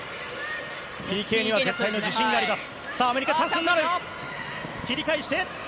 ＰＫには絶対の自信があります。